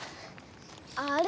あれ？